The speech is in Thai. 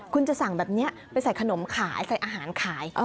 คุณจะสั่งแบบนี้ไปใส่ขนมขายใส่อาหารขาย